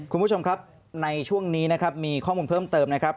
คุณผู้ชมครับในช่วงนี้นะครับมีข้อมูลเพิ่มเติมนะครับ